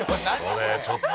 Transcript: これちょっと。